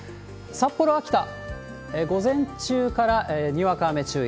札幌、秋田、午前中からにわか雨注意。